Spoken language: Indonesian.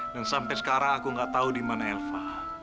dan sampai sekarang aku gak tau dimana elva